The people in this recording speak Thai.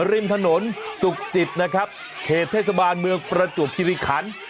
ริมถนนสุขจิตนะครับเขตเทศบาลเมืองประจวบคิริขัน